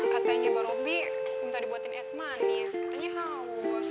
katanya bang robby minta dibuatin es manis